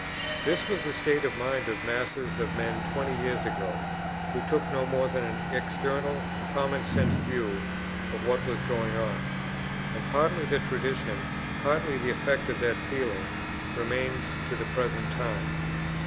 This was the state of mind of masses of men twenty years ago, who took no more than an external and common sense view of what was going on. And partly the tradition, partly the effect of that feeling, remains to the present time.